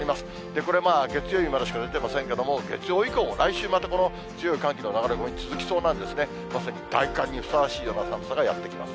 これ、月曜日までしか出てませんけども、月曜以降、来週もまたこの強い寒気の流れ込み続きそうなんですね、まさに大寒にふさわしいような寒さがやって来ます。